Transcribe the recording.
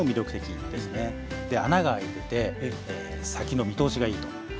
で穴が開いてて先の見通しがいいと。